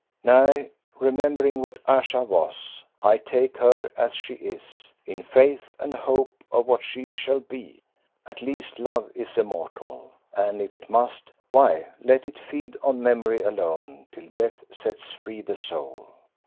"Nay, remembering what Ayesha was I take her as she is, in faith and hope of what she shall be. At least love is immortal and if it must, why let it feed on memory alone till death sets free the soul."